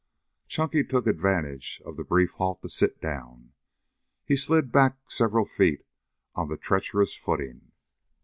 Chunky took advantage of the brief halt to sit down. He slid back several feet on the treacherous footing.